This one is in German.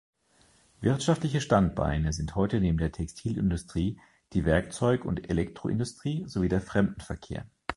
Wirtschaftliche Standbeine sind heute neben der Textilindustrie die Werkzeug- und Elektroindustrie sowie der Fremdenverkehr.